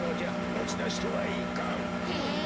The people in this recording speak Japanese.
もちだしてはいかん。え。